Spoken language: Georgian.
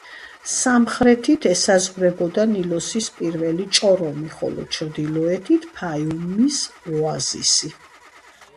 სამხრეთით ესაზღვრებოდა ნილოსის პირველი ჭორომი, ხოლო ჩრდილოეთით ფაიუმის ოაზისი.